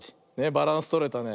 バランスとれたね。